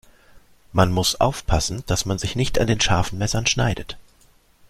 Man muss aufpassen, dass man sich nicht an den scharfen Messern schneidet.